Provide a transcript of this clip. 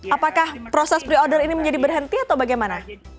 apakah proses pre order ini menjadi berhenti atau bagaimana